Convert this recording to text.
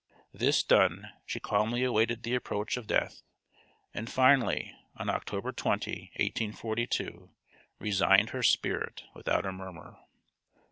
This done she calmly awaited the approach of death; and finally, on October 20, 1842, resigned her spirit without a murmur.